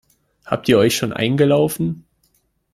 Habt ihr euch schon eingelaufen?